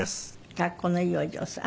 格好のいいお嬢さん。